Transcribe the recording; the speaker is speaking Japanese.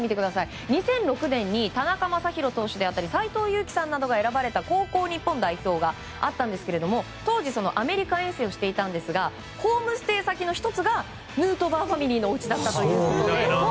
２００６年に田中将大投手であったり斎藤佑樹さんが選ばれた高校日本代表があったんですが当時、アメリカ遠征をしていたんですがホームステイ先の１つがヌートバーファミリーのおうちだったということで。